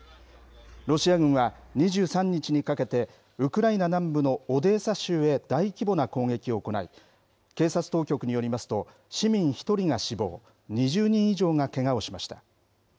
ロシア軍は２３日にかけて、ウクライナ南部のオデーサ州へ大規模な攻撃を行い、警察当局によりますと、市民１人が死亡、２０人以上がけがをしました。